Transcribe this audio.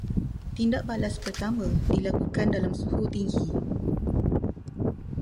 Tindak balas pertama dilakukan dalam suhu tinggi